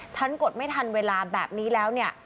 กดไม่ทันเวลาแบบนี้แล้วเนี่ย